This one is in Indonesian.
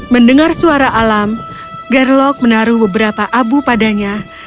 mendengar suara alam gerlok menaruh beberapa abu padanya